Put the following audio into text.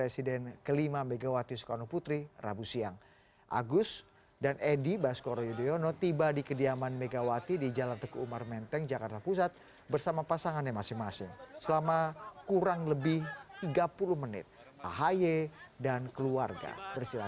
semoga berjaga di indonesia